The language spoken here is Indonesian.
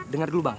dengar dulu bang